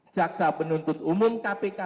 caksa penuntut umum kpk